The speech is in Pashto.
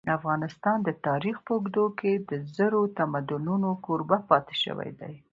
افغانستان د تاریخ په اوږدو کي د زرو تمدنونو کوربه پاته سوی دی.